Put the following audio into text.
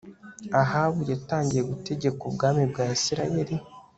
Ahabu yatangiye gutegeka ubwami bwa Isirayeli